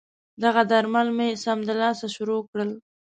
دغه درمل مې سمدلاسه شروع کړل.